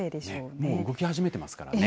もう動き始めていますからね。